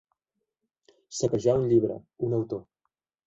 Saquejar un llibre, un autor.